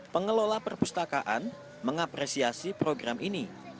pengelola perpustakaan mengapresiasi program ini